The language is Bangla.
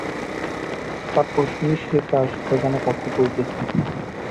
তারপর শুনি সে কার সাথে যেন কথা কইতেছে।